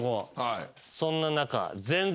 そんな中。